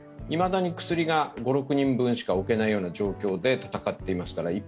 いまだに薬が５６人分しか置けないような状態で闘っていますから。